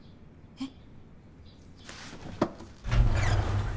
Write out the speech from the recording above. えっ？